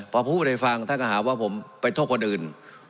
พอพูดให้ฟังท่านก็หาว่าผมไปโทษคนอื่น